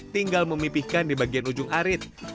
tinggal memipihkan di bagian ujung arit